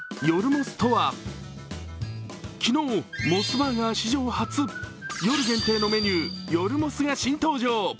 昨日、モスバーガー史上初、夜限定のメニュー、夜モスが新登場。